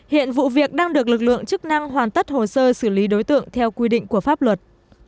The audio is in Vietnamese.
hiện vụ việc đang được lực lượng chức năng hoàn tất hồ sơ xử lý đối tượng theo quy định của pháp luật